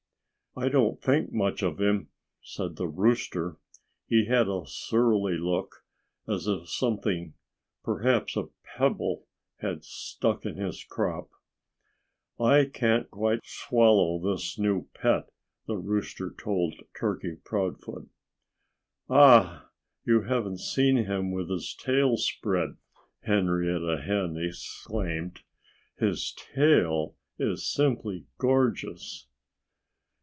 "I don't think much of him," said the rooster. He had a surly look, as if something perhaps a pebble had stuck in his crop. "I can't quite swallow this new pet," the rooster told Turkey Proudfoot. "Ah! You haven't seen him with his tail spread!" Henrietta Hen exclaimed. "His tail is simply gorgeous."